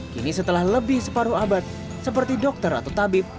kini setelah lebih separuh abad seperti dokter atau tabib